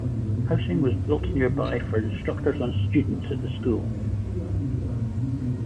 Housing was built nearby for instructors and students at the school.